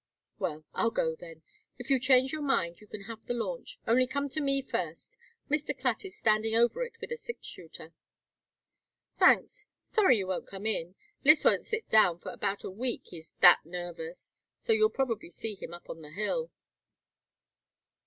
"Well, I'll go, then. If you change your mind you can have the launch. Only come to me first. Mr. Clatt is standing over it with a six shooter." "Thanks. Sorry you won't come in. Lys won't sit down for about a week, he's that nervous, so you'll probably see him up on the Hill."